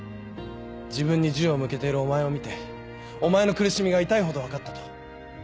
自分に銃を向けているお前を見てお前の苦しみが痛いほど分かったと。